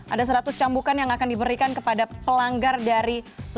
ada seratus cambukan yang akan diberikan kepada pelanggar dari